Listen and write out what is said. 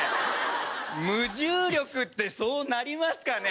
無重力ってそうなりますかね？